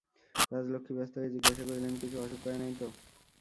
রাজলক্ষ্মী ব্যস্ত হইয়া জিজ্ঞাসা করিলেন, কিছু অসুখ করে নাই তো?